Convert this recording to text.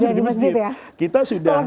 sudah di masjid ya